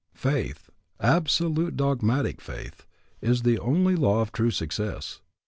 Faith, absolute dogmatic faith, is the only law of true success.